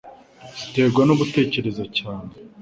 ziterwa no gutekereza cyane